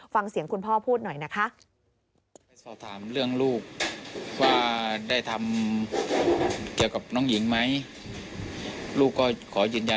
ฟังเสียงคุณพ่อพูดหน่อยนะคะ